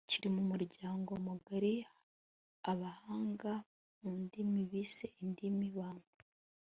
kiri mu muryango mugari abahanga mu ndimi bise indimi bantu